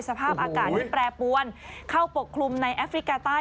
สภาพอากาศที่แปรปวนเข้าปกคลุมในแอฟริกาใต้